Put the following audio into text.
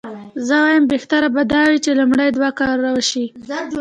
زه وایم بهتره به دا وي چې لومړني دوه کارونه وشي.